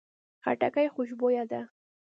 خټکی خوشبویه ده.